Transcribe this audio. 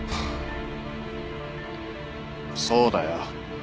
そうだよ。